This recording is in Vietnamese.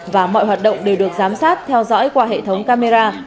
và mọi hoạt động đều được giám sát theo dõi qua hệ thống camera